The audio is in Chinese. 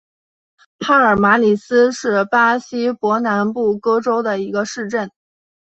帕尔马里斯是巴西伯南布哥州的一个市镇。